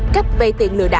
cách vây tiền lừa đáp